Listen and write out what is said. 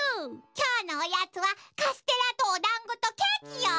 きょうのおやつはカステラとおだんごとケーキよ。